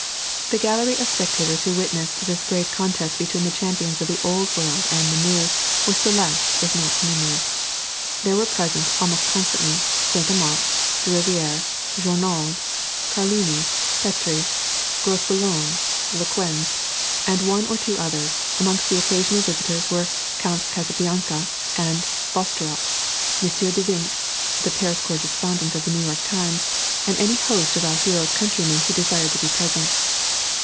The gallery of spectators who witnessed this great contest between the champions of the Old World and the New, was select, if not numerous. There were present, almost constantly, Saint Amant, De Rivière, Journoud, Carlini, Préti, Grosboulogne, Lequesne, and one or two others, and amongst the occasional visitors were Counts Casabianca and Bastorot, M. Devinck, the Paris correspondent of the N. Y. Times, and any of our hero's countrymen who desired to be present.